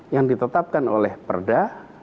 yang ditetapkan oleh perda